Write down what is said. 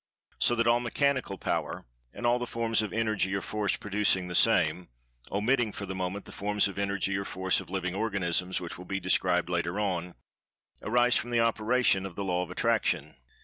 So that all Mechanical Power, and all the forms of Energy or Force producing the same (omitting for the moment the forms of Energy or Force of "Living Organisms," which will be described later on) arise from the operation of the Law of Attraction.